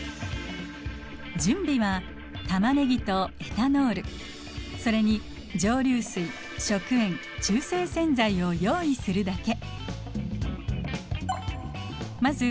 準備はタマネギとエタノールそれに蒸留水食塩中性洗剤を用意するだけ。